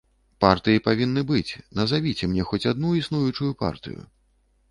Партыі павінны быць, назавіце мне хоць адну існуючую партыю.